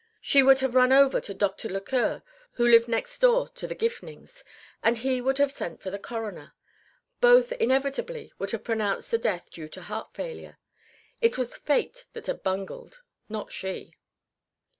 She would have run over to Doctor Lequer, who lived next door to the Gifnings, and he would have sent for the coroner. Both inevitably would have pronounced the death due to heart failure. It was fate that had bungled, not she.